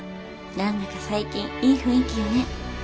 何だか最近いい雰囲気よね。